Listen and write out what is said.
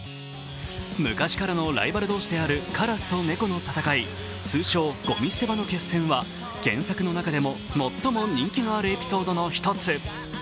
昔からのライバル同士であるカラスと猫の戦い、通称・ゴミ捨て場の決戦は原作の中でも最も人気のあるエピソードの１つ。